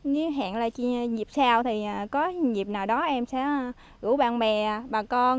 nếu hẹn là dịp sau thì có dịp nào đó em sẽ gửi bạn bè bà con